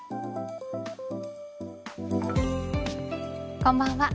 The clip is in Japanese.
こんばんは。